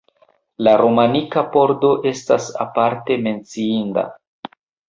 La romanika pordo estas aparte menciinda.